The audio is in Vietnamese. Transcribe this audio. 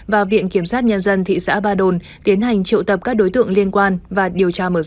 và viện kiểm sát nhân dân thị xã ba đồn tiến hành triệu tập các đối tượng liên quan và điều tra mở rộng